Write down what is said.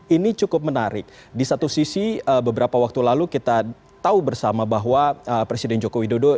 ini cukup menarik di satu sisi beberapa waktu lalu kita tahu bersama bahwa presiden joko widodo